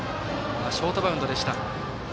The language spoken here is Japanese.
ショートバウンドでした。